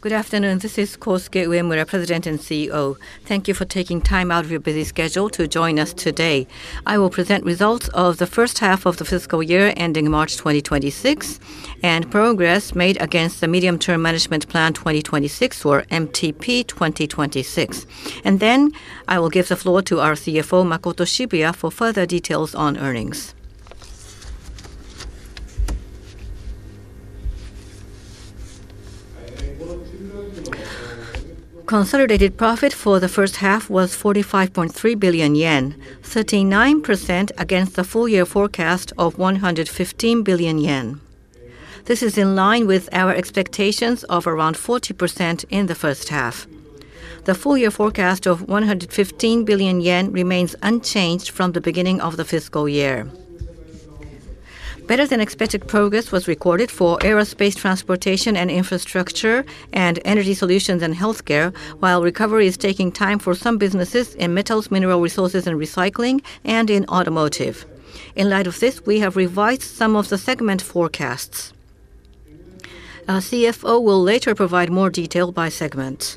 Good afternoon. This is Kousuke Uemura, President and CEO. Thank you for taking time out of your busy schedule to join us today. I will present results of the first half of the fiscal year ending March 2026 and progress made against the Medium Term Management Plan 2026, or MTP 2026. I will give the floor to our CFO, Makoto Shibuya, for further details on earnings. Consolidated profit for the first half was 45.3 billion yen, 39% against the full-year forecast of 115 billion yen. This is in line with our expectations of around 40% in the first half. The full-year forecast of 115 billion yen remains unchanged from the beginning of the fiscal year. Better-than-expected progress was recorded for aerospace transportation and infrastructure, and energy solutions and healthcare, while recovery is taking time for some businesses in metals, mineral resources, and recycling, and in automotive. In light of this, we have revised some of the segment forecasts. Our CFO will later provide more detail by segment.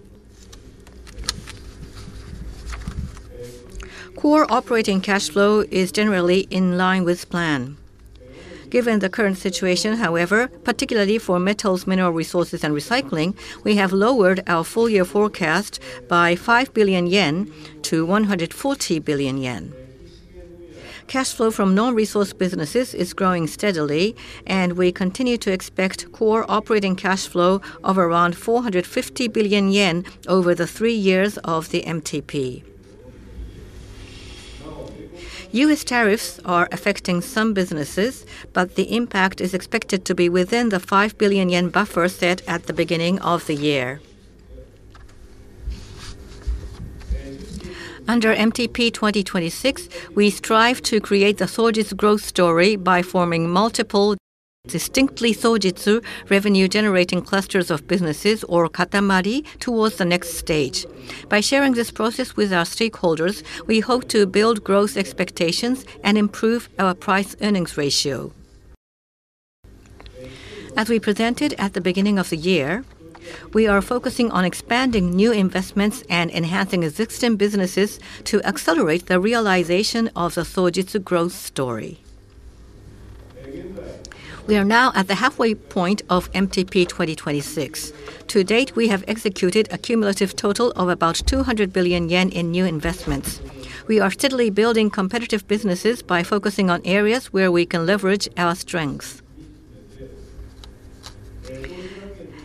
Core operating cash flow is generally in line with plan. Given the current situation, however, particularly for metals, mineral resources, and recycling, we have lowered our full-year forecast by 5 billion yen to 140 billion yen. Cash flow from non-resource businesses is growing steadily, and we continue to expect core operating cash flow of around 450 billion yen over the three years of the MTP. U.S. tariffs are affecting some businesses, but the impact is expected to be within the 5 billion yen buffer set at the beginning of the year. Under MTP 2026, we strive to create the Sojitz growth story by forming multiple distinctly Sojitz revenue-generating clusters of businesses, or katamari, towards the next stage. By sharing this process with our stakeholders, we hope to build growth expectations and improve our price-earnings ratio. As we presented at the beginning of the year, we are focusing on expanding new investments and enhancing existing businesses to accelerate the realization of the Sojitz growth story. We are now at the halfway point of MTP 2026. To date, we have executed a cumulative total of about 200 billion yen in new investments. We are steadily building competitive businesses by focusing on areas where we can leverage our strengths.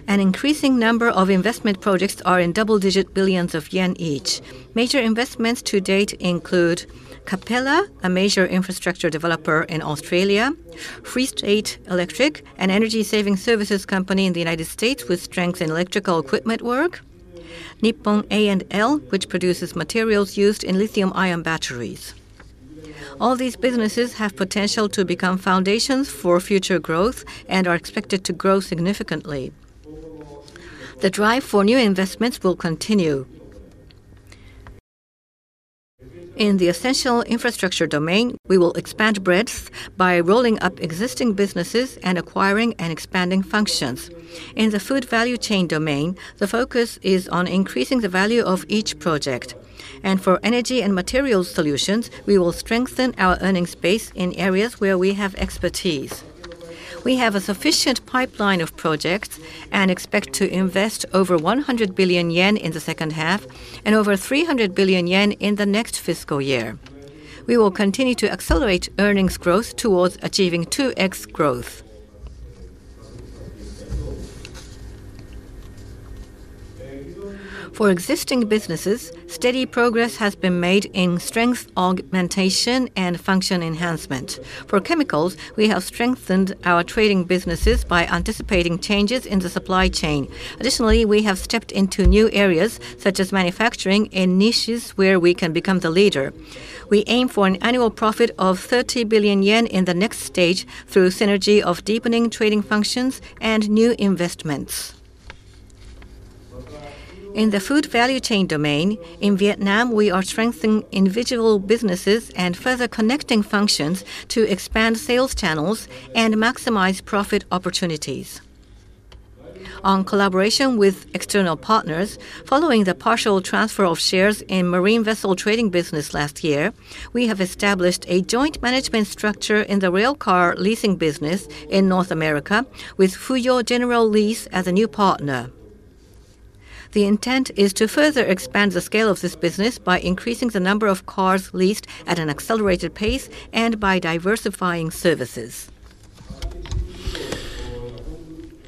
An increasing number of investment projects are in double-digit billions of yen each. Major investments to date include Capella, a major infrastructure developer in Australia, FreeState Electric, an energy-saving services company in the U.S. with strength in electrical equipment work, Nippon A&L, which produces materials used in lithium-ion batteries. All these businesses have potential to become foundations for future growth and are expected to grow significantly. The drive for new investments will continue. In the essential infrastructure domain, we will expand BREDS by rolling up existing businesses and acquiring and expanding functions. In the food value chain domain, the focus is on increasing the value of each project. For energy and materials solutions, we will strengthen our earnings base in areas where we have expertise. We have a sufficient pipeline of projects and expect to invest over 100 billion yen in the second half and over 300 billion yen in the next fiscal year. We will continue to accelerate earnings growth towards achieving 2X growth. For existing businesses, steady progress has been made in strength augmentation and function enhancement. For chemicals, we have strengthened our trading businesses by anticipating changes in the supply chain. Additionally, we have stepped into new areas such as manufacturing in niches where we can become the leader. We aim for an annual profit of 30 billion yen in the next stage through synergy of deepening trading functions and new investments. In the food value chain domain, in Vietnam, we are strengthening individual businesses and further connecting functions to expand sales channels and maximize profit opportunities. On collaboration with external partners, following the partial transfer of shares in marine vessel trading business last year, we have established a joint management structure in the railcar leasing business in North America, with Fuyo General Lease as a new partner. The intent is to further expand the scale of this business by increasing the number of cars leased at an accelerated pace and by diversifying services.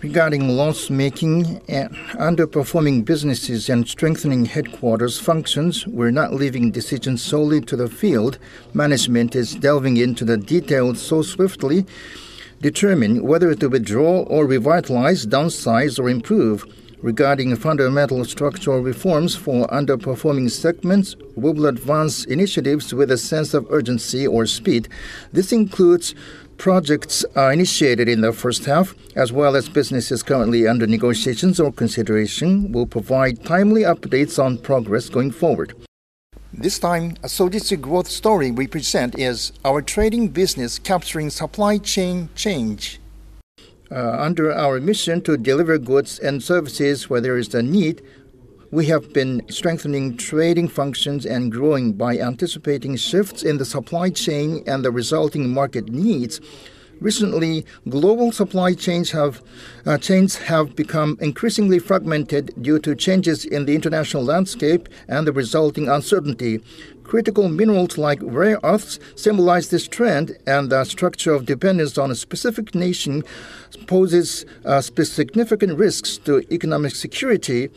Regarding loss-making and underperforming businesses and strengthening headquarters functions, we're not leaving decisions solely to the field. Management is delving into the details so swiftly. Determine whether to withdraw or revitalize, downsize, or improve. Regarding fundamental structural reforms for underperforming segments, we will advance initiatives with a sense of urgency or speed. This includes projects initiated in the first half, as well as businesses currently under negotiations or consideration. We'll provide timely updates on progress going forward. This time, a Sojitz growth story we present is our trading business capturing supply chain change. Under our mission to deliver goods and services where there is a need, we have been strengthening trading functions and growing by anticipating shifts in the supply chain and the resulting market needs. Recently, global supply chains have become increasingly fragmented due to changes in the international landscape and the resulting uncertainty. Critical minerals like rare earths symbolize this trend, and the structure of dependence on a specific nation poses significant risks to economic security.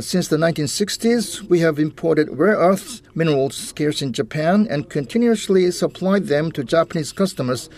Since the 1960s, we have imported rare earth minerals scarce in Japan and continuously supplied them to Japanese customers.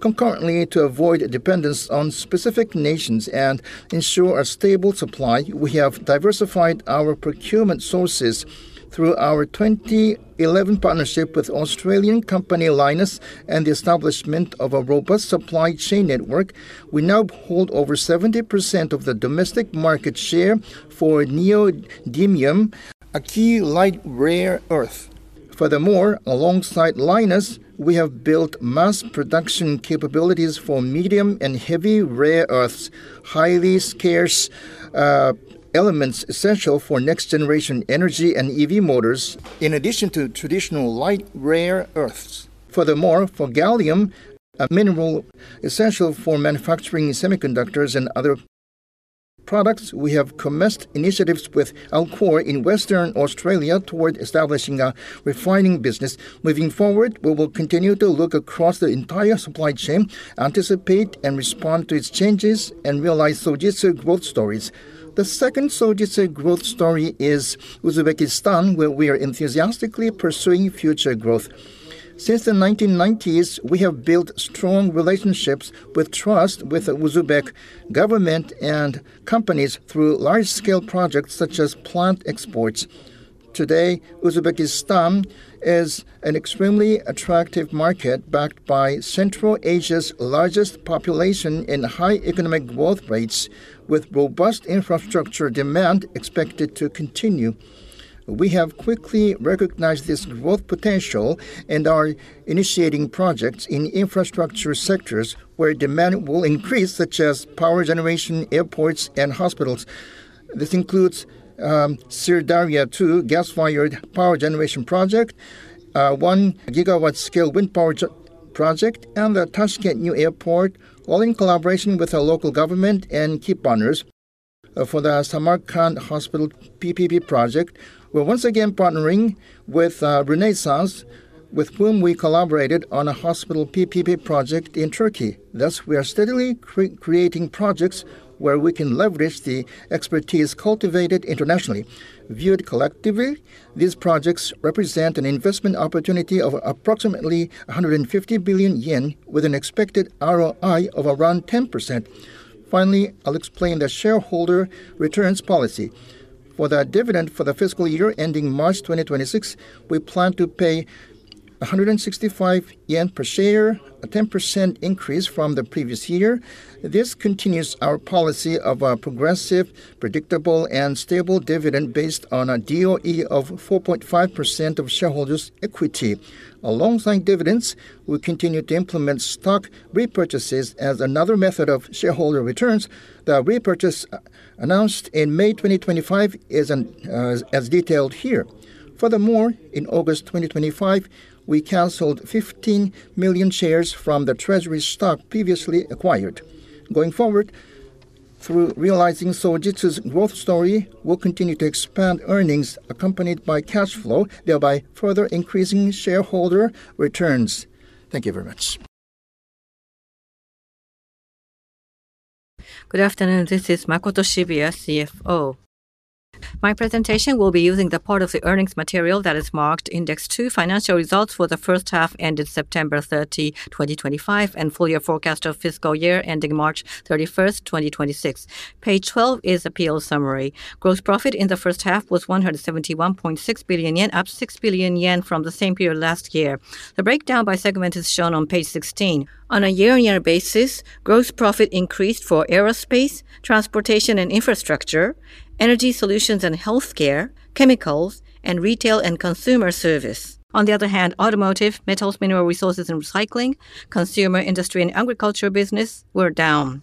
Concurrently, to avoid dependence on specific nations and ensure a stable supply, we have diversified our procurement sources. Through our 2011 partnership with Australian company Lynas and the establishment of a robust supply chain network, we now hold over 70% of the domestic market share for neodymium, a key light rare earth. Furthermore, alongside Lynas, we have built mass production capabilities for medium and heavy rare earths, highly scarce elements essential for next-generation energy and EV motors, in addition to traditional light rare earths. Furthermore, for gallium, a mineral essential for manufacturing semiconductors and other products, we have commenced initiatives with Alcore in Western Australia toward establishing a refining business. Moving forward, we will continue to look across the entire supply chain, anticipate and respond to its changes, and realize Sojitz growth stories. The second Sojitz growth story is Uzbekistan, where we are enthusiastically pursuing future growth. Since the 1990s, we have built strong relationships with trust with the Uzbek government and companies through large-scale projects such as plant exports. Today, Uzbekistan is an extremely attractive market backed by Central Asia's largest population and high economic growth rates, with robust infrastructure demand expected to continue. We have quickly recognized this growth potential and are initiating projects in infrastructure sectors where demand will increase, such as power generation, airports, and hospitals. This includes the Syrdarya-2 gas-fired power generation project, a 1 GW scale wind power project, and the Tashkent new airport, all in collaboration with the local government and key partners. For the Samarkand hospital PPP project, we're once again partnering with Renaissance, with whom we collaborated on a hospital PPP project in Türkiye. Thus, we are steadily creating projects where we can leverage the expertise cultivated internationally. Viewed collectively, these projects represent an investment opportunity of approximately 150 billion yen, with an expected ROI of around 10%. Finally, I'll explain the shareholder returns policy. For the dividend for the fiscal year ending March 2026, we plan to pay 165 yen per share, a 10% increase from the previous year. This continues our policy of a progressive, predictable, and stable dividend based on a DOE of 4.5% of shareholders' equity. Alongside dividends, we continue to implement stock repurchases as another method of shareholder returns. The repurchase announced in May 2025 is, as detailed here. Furthermore, in August 2025, we canceled 15 million shares from the treasury stock previously acquired. Going forward, through realizing Sojitz's growth story, we'll continue to expand earnings accompanied by cash flow, thereby further increasing shareholder returns. Thank you very much. Good afternoon. This is Makoto Shibuya, CFO. My presentation will be using the part of the earnings material that is marked Index two, Financial Results for the first half ended September 30, 2025, and full-year forecast of fiscal year ending March 31, 2026. Page 12 is a PL summary. Gross profit in the first half was 171.6 billion yen, up 6 billion yen from the same period last year. The breakdown by segment is shown on page 16. On a year-on-year basis, gross profit increased for aerospace, transportation and infrastructure, energy solutions and healthcare, chemicals, and retail and consumer service. On the other hand, automotive, metals, mineral resources, and recycling, consumer industry, and agriculture business were down.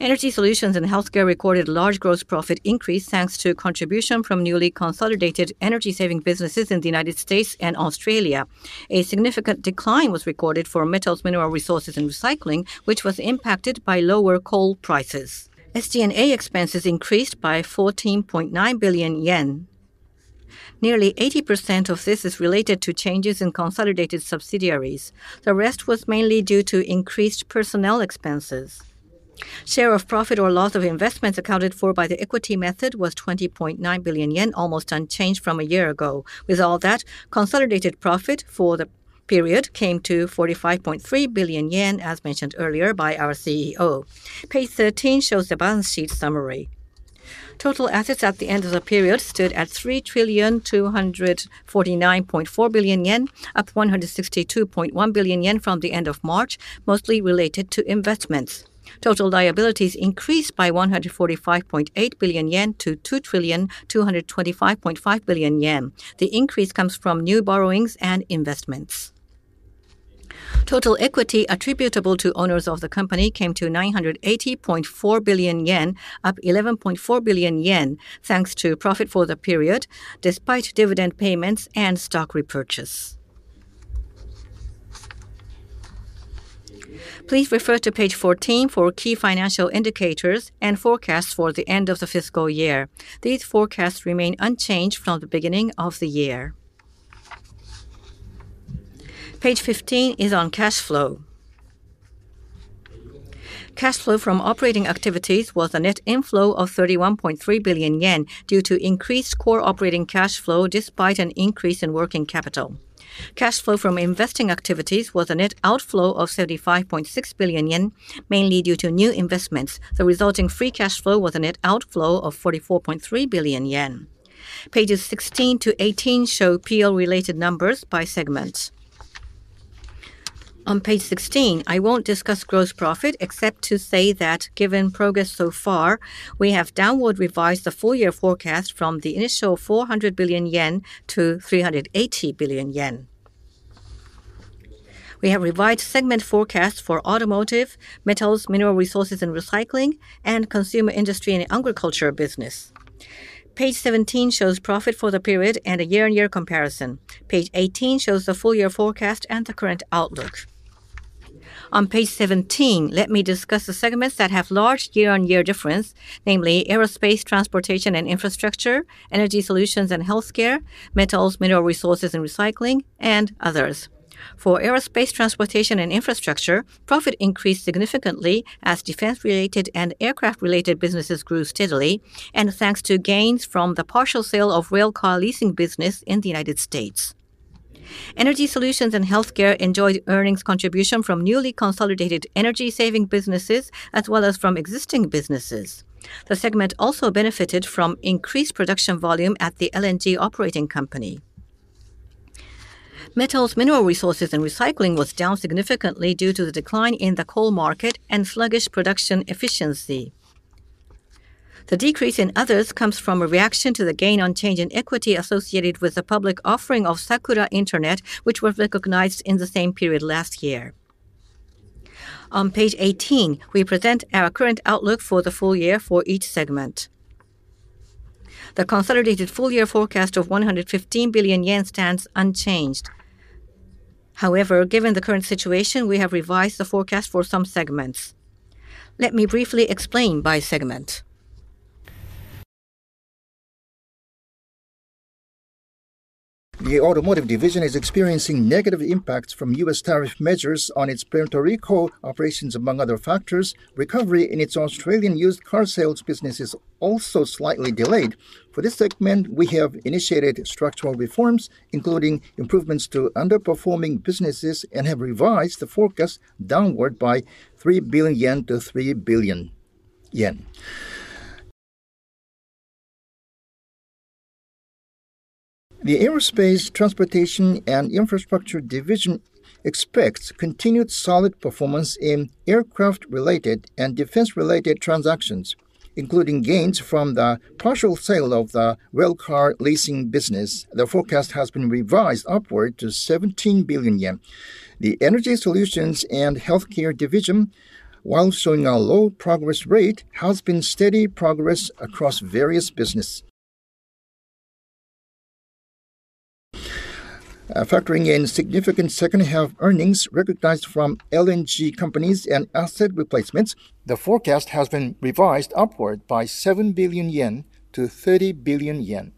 Energy solutions and healthcare recorded a large gross profit increase thanks to contribution from newly consolidated energy-saving businesses in the United States and Australia. A significant decline was recorded for metals, mineral resources, and recycling, which was impacted by lower coal prices. SG&A expenses increased by 14.9 billion yen. Nearly 80% of this is related to changes in consolidated subsidiaries. The rest was mainly due to increased personnel expenses. Share of profit or loss of investments accounted for by the equity method was 20.9 billion yen, almost unchanged from a year ago. With all that, consolidated profit for the period came to 45.3 billion yen, as mentioned earlier by our CEO. Page 13 shows the balance sheet summary. Total assets at the end of the period stood at 3,249.4 billion yen, up 162.1 billion yen from the end of March, mostly related to investments. Total liabilities increased by 145.8 billion yen to 2,225.5 billion yen. The increase comes from new borrowings and investments. Total equity attributable to owners of the company came to 980.4 billion yen, up 11.4 billion yen, thanks to profit for the period, despite dividend payments and stock repurchase. Please refer to page 14 for key financial indicators and forecasts for the end of the fiscal year. These forecasts remain unchanged from the beginning of the year. Page 15 is on cash flow. Cash flow from operating activities was a net inflow of 31.3 billion yen due to increased core operating cash flow despite an increase in working capital. Cash flow from investing activities was a net outflow of 35.6 billion yen, mainly due to new investments. The resulting free cash flow was a net outflow of 44.3 billion yen. Pages 16 to 18 show PL-related numbers by segment. On page 16, I won't discuss gross profit except to say that given progress so far, we have downward revised the full-year forecast from the initial 400 billion yen to 380 billion yen. We have revised segment forecasts for automotive, metals, mineral resources, and recycling, and consumer industry and agriculture business. Page 17 shows profit for the period and a year-on-year comparison. Page 18 shows the full-year forecast and the current outlook. On page 17, let me discuss the segments that have large year-on-year difference, namely aerospace, transportation and infrastructure, energy solutions and healthcare, metals, mineral resources and recycling, and others. For aerospace, transportation and infrastructure, profit increased significantly as defense-related and aircraft-related businesses grew steadily, and thanks to gains from the partial sale of railcar leasing business in the United States. Energy solutions and healthcare enjoyed earnings contribution from newly consolidated energy-saving businesses as well as from existing businesses. The segment also benefited from increased production volume at the L&G operating company. Metals, mineral resources, and recycling was down significantly due to the decline in the coal market and sluggish production efficiency. The decrease in others comes from a reaction to the gain on change in equity associated with the public offering of Sakura Internet, which was recognized in the same period last year. On page 18, we present our current outlook for the full year for each segment. The consolidated full-year forecast of 115 billion yen stands unchanged. However, given the current situation, we have revised the forecast for some segments. Let me briefly explain by segment. The automotive division is experiencing negative impacts from U.S. tariff measures on its plenty of recall operations, among other factors. Recovery in its Australian used car sales business is also slightly delayed. For this segment, we have initiated structural reforms, including improvements to underperforming businesses, and have revised the forecast downward by 3 billion yen to 3 billion yen. The aerospace, transportation, and infrastructure division expects continued solid performance in aircraft-related and defense-related transactions, including gains from the partial sale of the railcar leasing business. The forecast has been revised upward to 17 billion yen. The energy solutions and healthcare division, while showing a low progress rate, has seen steady progress across various businesses. Factoring in significant second-half earnings recognized from L&G companies and asset replacements, the forecast has been revised upward by 7 billion yen to 30 billion yen.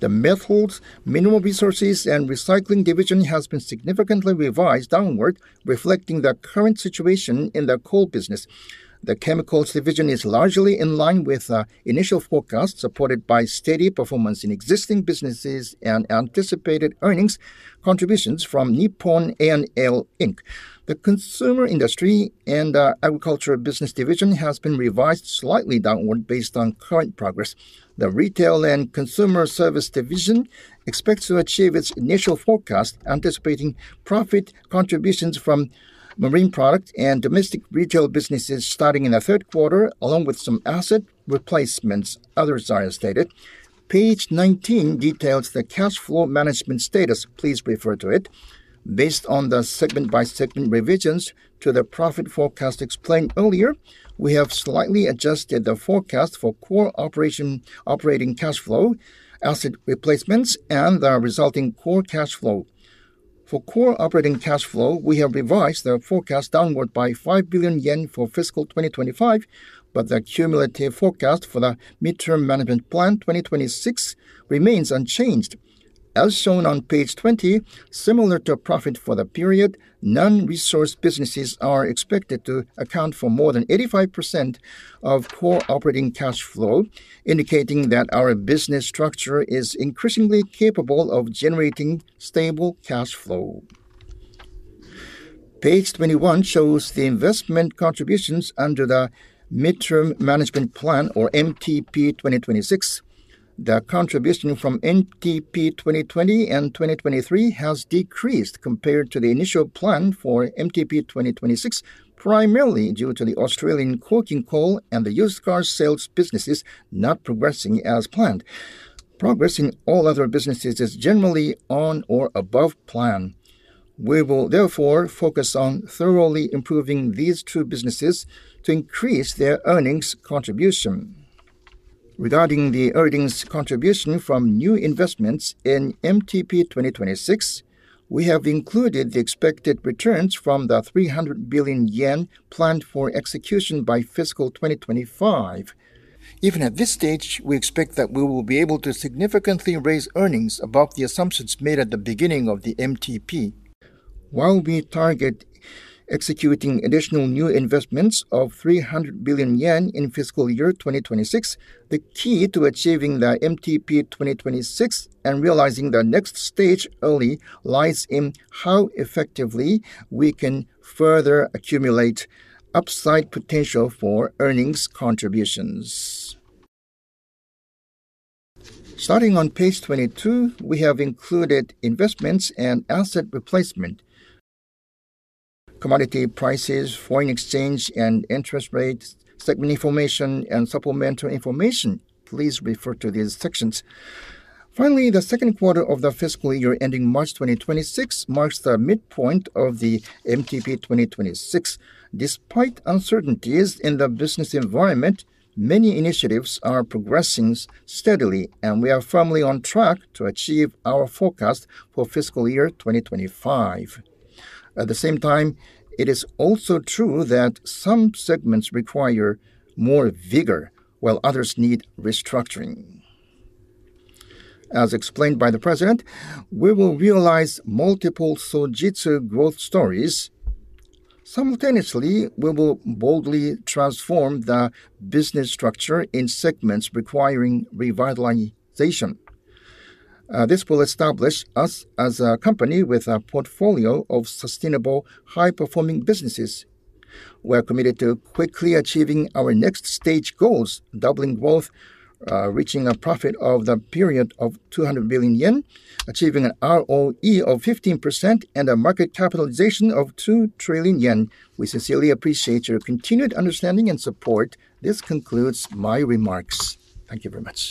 The metals, mineral resources, and recycling division has been significantly revised downward, reflecting the current situation in the coal business. The chemicals division is largely in line with the initial forecast, supported by steady performance in existing businesses and anticipated earnings contributions Nippon A&L INC. The consumer industry and agriculture business division has been revised slightly downward based on current progress. The retail and consumer service division expects to achieve its initial forecast, anticipating profit contributions from marine products and domestic retail businesses starting in the third quarter, along with some asset replacements. Others are as stated. Page 19 details the cash flow management status. Please refer to it. Based on the segment-by-segment revisions to the profit forecast explained earlier, we have slightly adjusted the forecast for core operating cash flow, asset replacements, and the resulting core cash flow. For core operating cash flow, we have revised the forecast downward by 5 billion yen for fiscal 2025, but the cumulative forecast for the Medium Term Management Plan 2026 remains unchanged. As shown on page 20, similar to profit for the period, non-resource businesses are expected to account for more than 85% of core operating cash flow, indicating that our business structure is increasingly capable of generating stable cash flow. Page 21 shows the investment contributions under the Medium Term Management Plan, or MTP 2026. The contribution from MTP 2020 and 2023 has decreased compared to the initial plan for MTP 2026, primarily due to the Australian coking coal and the used car sales businesses not progressing as planned. Progress in all other businesses is generally on or above plan. We will therefore focus on thoroughly improving these two businesses to increase their earnings contribution. Regarding the earnings contribution from new investments in MTP 2026, we have included the expected returns from the 300 billion yen planned for execution by fiscal 2025. Even at this stage, we expect that we will be able to significantly raise earnings above the assumptions made at the beginning of the MTP. While we target executing additional new investments of 300 billion yen in fiscal year 2026, the key to achieving the MTP 2026 and realizing the next stage early lies in how effectively we can further accumulate upside potential for earnings contributions. Starting on page 22, we have included investments and asset replacement. Commodity prices, foreign exchange, and interest rates, segment information, and supplemental information. Please refer to these sections. Finally, the second quarter of the fiscal year ending March 2026 marks the midpoint of the MTP 2026. Despite uncertainties in the business environment, many initiatives are progressing steadily, and we are firmly on track to achieve our forecast for fiscal year 2025. At the same time, it is also true that some segments require more vigor, while others need restructuring. As explained by the President, we will realize multiple Sojitz growth stories. Simultaneously, we will boldly transform the business structure in segments requiring revitalization. This will establish us as a company with a portfolio of sustainable, high-performing businesses. We are committed to quickly achieving our next stage goals, doubling growth, reaching a profit of the period of 200 billion yen, achieving an ROE of 15%, and a market capitalization of 2 trillion yen. We sincerely appreciate your continued understanding and support. This concludes my remarks. Thank you very much.